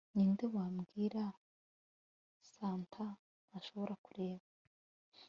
ninde wambwira santa ntashobora kureba